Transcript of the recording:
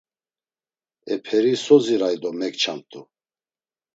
E peri so ziray do meçamt̆u?